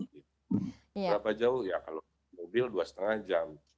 berapa jauh ya kalau mobil dua lima jam